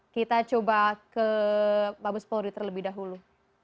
kita coba ke mabes polri terlebih dahulu